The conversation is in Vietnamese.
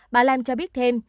bà lam cho biết thêm